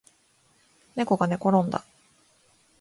ねこがねころんだ